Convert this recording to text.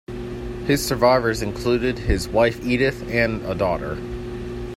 His survivors included his wife Edyth and a daughter.